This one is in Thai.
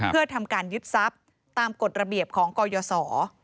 เพื่อทำการยึดทรัพย์ตามกฎระเบียบของกยศ